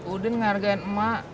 udin ngehargain emak